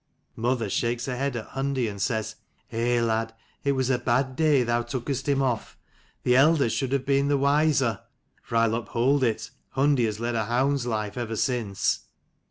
Mother shakes her head at Hundi and says, * Eh, lad, it was a bad day thou tookest him off: the elder should have been the wiser.' For I'll uphold it Hundi has led a hound's life ever since.